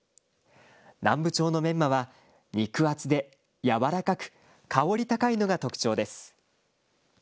南部町のメンマは肉厚で柔らかく、香り高いのが特徴です。